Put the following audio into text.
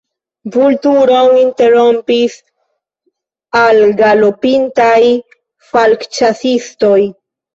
Vulturon interrompis algalopintaj falkĉasistoj.